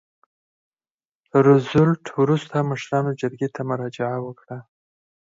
روزولټ وروسته مشرانو جرګې ته مراجعه وکړه.